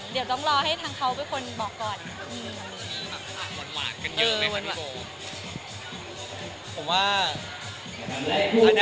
เดี๋ยวต้องรอให้ทางเขาเป็นคนบอกก่อน